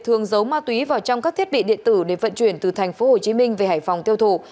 thường giấu ma túy vào trong các thiết bị điện tử để vận chuyển từ tp hcm về hải phòng tiêu thụ